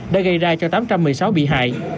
đã gây ra cho tám trăm một mươi sáu bị hại